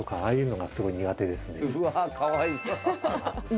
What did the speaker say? うわぁかわいそう。